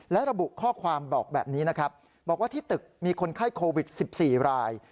และระบุข้อความบอกแบบนี้นะครับบอกว่าที่ตึกมีคนไข้โควิด๑๔ราย